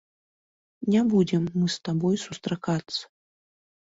Не будзем мы з табой сустракацца.